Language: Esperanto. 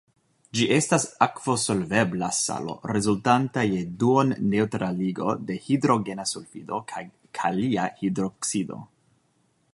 Ĝi estas akvo-solvebla salo rezultanta je duon-neŭtraligo de hidrogena sulfido kaj kalia hidroksido.